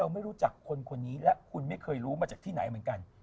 ไม่รู้จักคนนี้และไม่เคยรู้มันที่ในนั้น